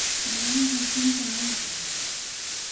Deberon ser cinco longos anos.